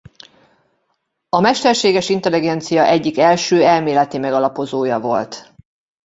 A mesterséges intelligencia egyik első elméleti megalapozója volt.